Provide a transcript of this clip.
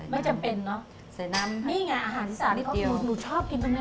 ไม่จำเป็นเนอะใส่น้ำนี่ไงอาหารอีสานหนูชอบกินตรงนี้